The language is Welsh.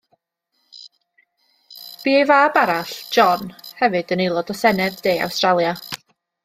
Bu ei fab arall, John, hefyd yn aelod o Senedd De Awstralia.